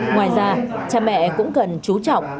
ngoài ra cha mẹ cũng cần chú trọng